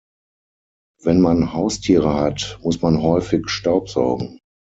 Wenn man Haustiere hat muss man häufig staubsaugen.